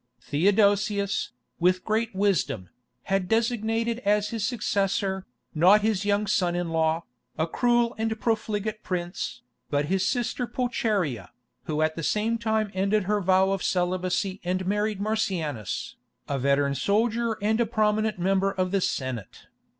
Theodosius, with great wisdom, had designated as his successor, not his young son in law, a cruel and profligate prince, but his sister Pulcheria, who at the same time ended her vow of celibacy and married Marcianus, a veteran soldier and a prominent member of the Senate.